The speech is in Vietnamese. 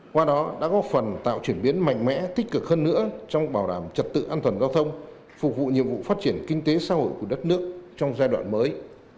qua đó đã góp phần tạo chuyển biến mạnh mẽ tích cực hơn nữa trong bảo đảm trật tự an toàn giao thông phục vụ nhiệm vụ phát triển kinh tế xã hội của đất nước trong giai đoạn mới